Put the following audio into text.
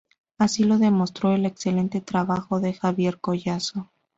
Así lo demostró el excelente trabajo de Javier Collazo.